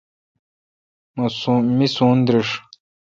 می سون درݭ۔